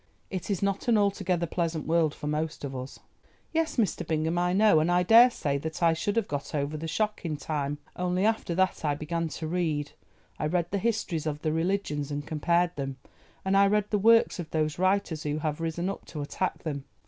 It is not an altogether pleasant world for most of us." "Yes, Mr. Bingham, I know, and I daresay that I should have got over the shock in time, only after that I began to read. I read the histories of the religions and compared them, and I read the works of those writers who have risen up to attack them.